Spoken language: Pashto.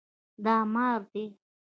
دا مار دی